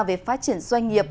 về phát triển doanh nghiệp